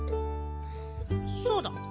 そうだ。